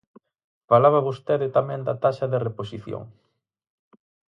Falaba vostede tamén da taxa de reposición.